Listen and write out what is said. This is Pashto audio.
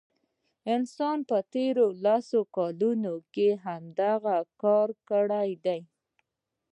انسان په تیرو لسو کلونو کې همدغه کار کړی دی.